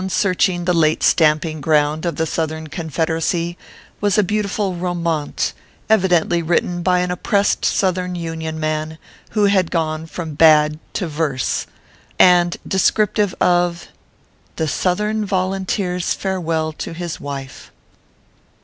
searching the late stamping ground of the Southern Confederacy, was a beautiful " romaunt," evidently written by an oppressed Southern Union man, who had gone from bad to verse, and descriptive of THE SOUTHERN" VOLUNTEER S FAREWELL TO HIS WIFE.